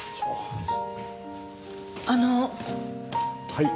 はい？